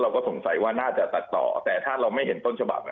สงสัยว่าน่าจะตัดต่อแต่ถ้าเราไม่เห็นต้นฉบับ